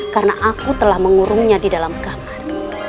karena aku telah mengurungnya di dalam kamar